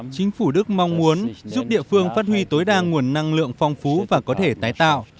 chính phủ đức mong muốn giúp địa phương phát huy tối đa nguồn năng lượng phong phú và có thể tái tạo